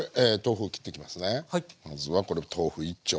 まずはこれ豆腐１丁。